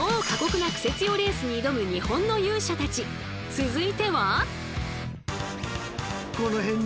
続いては。